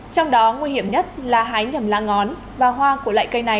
trong đó nguy hiểm nhất là hái nhầm lá ngón và hoa của loại cây này